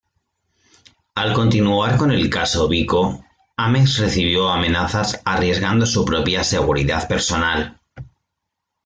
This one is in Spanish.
Al continuar con el caso Biko, Ames recibió amenazas arriesgando su propia seguridad personal.